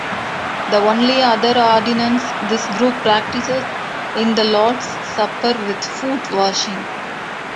The only other ordinance this group practices is the Lord's Supper with foot washing.